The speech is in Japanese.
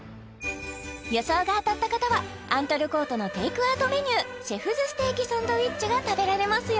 予想が当たった方はアントルコートのテイクアウトメニューシェフズステーキサンドウィッチが食べられますよ！